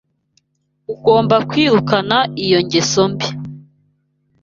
Ugomba kwirukana iyo ngeso mbi.